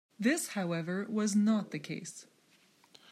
This, however, was not the case.